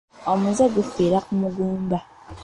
Omuzze gufiira ku muguumba.